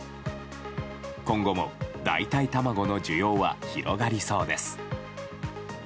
今後も代替卵の需要は広がりそうです。